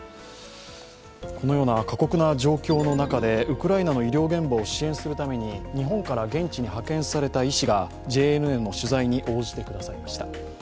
このような過酷な状況の中でウクライナの医療現場を支援するために日本から現地に派遣された医師がＪＮＮの取材に応じてくれました。